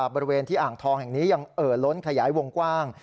บริเวณที่อ่างทองแห่งนี้ยังเอ่อล้นขยายวงกว้าง